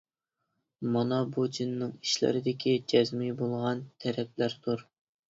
مانا بۇ جىننىڭ ئىشلىرىدىكى جەزمى بولغان تەرەپلەردۇر.